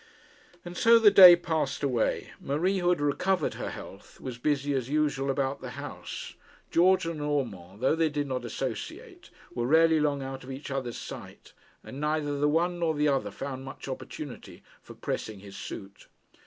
And so the day passed away. Marie, who had recovered her health, was busy as usual about the house. George and Urmand, though they did not associate, were rarely long out of each other's sight; and neither the one nor the other found much opportunity for pressing his suit.